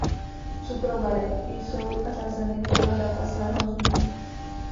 Cukrovary jsou řazeny podle data svého vzniku.